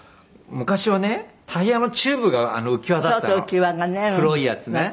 昔はねタイヤのチューブが浮輪だったの黒いやつね。